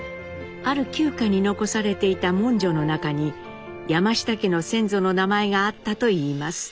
ある旧家に残されていた文書の中に山下家の先祖の名前があったといいます。